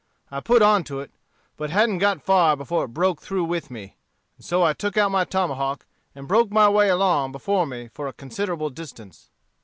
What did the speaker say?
I put on to it, but hadn't got far before it broke through with me; and so I took out my tomahawk, and broke my way along before me for a considerable distance.